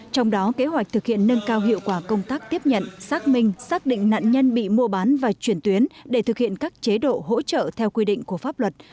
trong đó kế hoạch thực hiện nâng cao hiệu quả công tác tiếp nhận xác minh xác định nạn nhân bị mua bán và chuyển tuyến để thực hiện các chế độ hỗ trợ theo quy định của pháp luật